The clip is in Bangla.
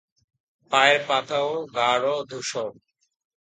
পায়ের পাতাও গাঢ় ধূসর।